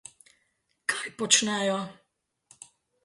Kaj počnejo?